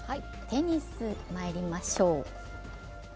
テニスまいりましょう。